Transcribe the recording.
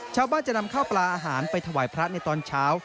ชาวบ้านจะนำข้าวปลาอาหารไปถวายพระในตอนเช้า